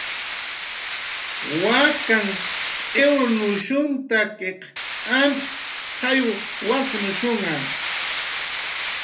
Wakanh t'iwrnushunhtakiq antz jayw wasnushnha